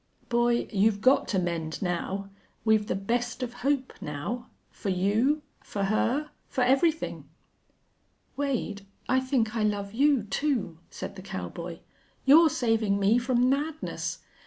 "Boy, you've got to mend now. We've the best of hope now for you for her for everythin'." "Wade, I think I love you, too," said the cowboy. "You're saving me from madness.